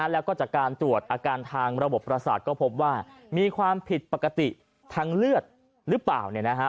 แล้วก็จากการตรวจอาการทางระบบประสาทก็พบว่ามีความผิดปกติทางเลือดหรือเปล่า